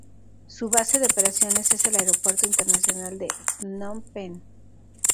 Su base de operaciones es el Aeropuerto Internacional de Phnom Penh.